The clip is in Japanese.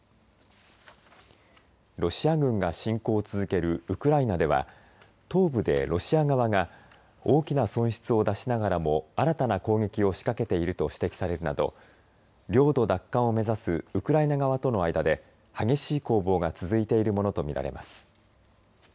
ロシア軍が侵攻を続けるウクライナでは東部でロシア側が大きな損失を出しながらも新たな攻撃を仕掛けていると指摘されるなど領土奪還を目指すウクライナ側との間で激しい攻防が続いているものとみられます。